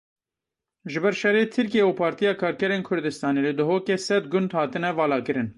Ji ber şerê Tirkiye û Partiya Karkerên Kurdistanê li Duhokê sed gund hatine valakirin.